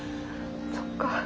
そっか。